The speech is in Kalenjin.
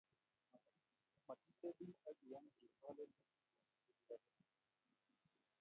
Matitebii akiyomchi kalelutikuk chegibo keny